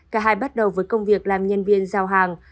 cả hai bắt đầu với công việc làm nhân viên giao hàng